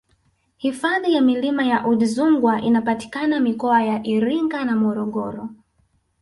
hifadhi ya milima ya udzungwa inapatikana mikoa ya iringa na morogoro